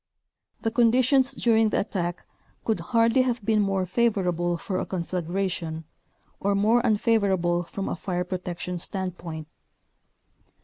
The conditions during the attack could hardly have been more favorable for a conflagration, or more unfavorable from a fire protection standpoint.